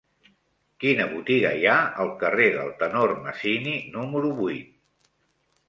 Quina botiga hi ha al carrer del Tenor Masini número vuit?